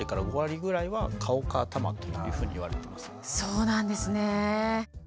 なのでそうなんですね。